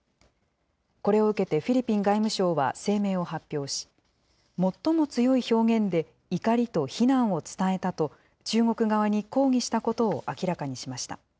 これを受けてフィリピン外務省は声明を発表し、最も強い表現で、怒りと非難を伝えたと、中国側に抗議したことを明らかにしました。